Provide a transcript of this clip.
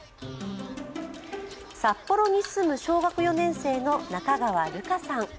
札幌に住む小学４年生の中川瑠歌さん。